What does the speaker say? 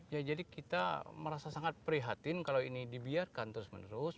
ya jadi kita merasa sangat prihatin kalau ini dibiarkan terus menerus